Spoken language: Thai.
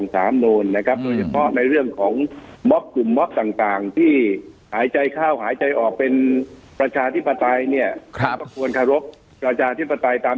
ตามที่ท่านหายใจเข้าหายใจออกนะครับ